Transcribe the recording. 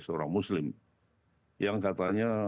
seorang muslim yang katanya